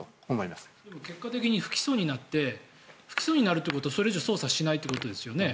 でも、結果的に不起訴になって不起訴になるということはそれ以上捜査しないということですよね。